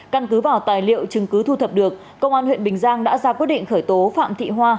căn cứ vào tài liệu chứng cứ thu thập được công an huyện bình giang đã ra quyết định khởi tố phạm thị hoa